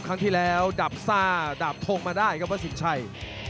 ครั้งที่แล้วดาบซ่าดาบทงมาได้ครับวัดสินชัย